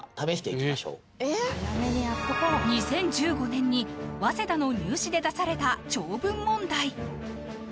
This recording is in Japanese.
２０１５年に早稲田の入試で出された長文問題